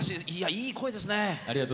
いい声ですね。